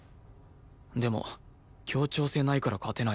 でも協調性ないから勝てないし